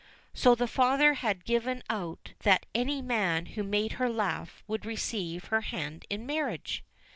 So the father had given out that any man who made her laugh would receive her hand in marriage.